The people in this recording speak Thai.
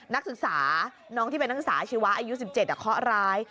นักศึกษาน้องที่เป็นนักศึกษาชีวะอายุ๑๗เคาะร้าย